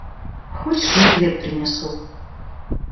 Хочешь, я плед принесу?